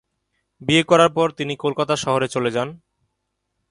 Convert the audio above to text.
বিয়ে করার পর তিনি কলকাতা শহরে চলে যান।